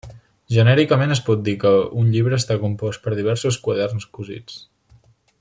Genèricament es pot dir que un llibre està compost per diversos quaderns cosits.